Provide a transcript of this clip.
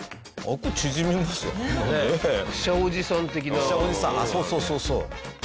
あっそうそうそうそう。